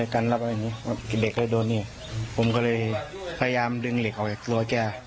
กันรอบอะไรอย่างงี้เด็กเลยโดนนี่ผมก็เลยพยายามดึงเหล็กออกอย่างตัวแก